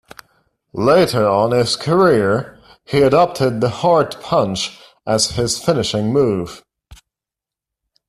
Later on in his career, he adopted the heart punch as his finishing move.